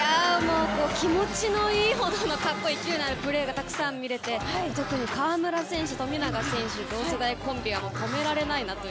気持ちのいいほどの勢いのあるプレーがたくさん見れて特に河村選手、富永選手同世代コンビは止められないなと。